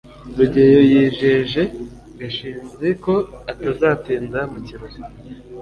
rugeyo yijeje gashinzi ko atazatinda mu kirori